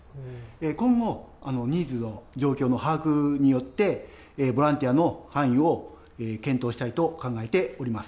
今後、ニーズの状況の把握によって、ボランティアの範囲を検討したいと考えております。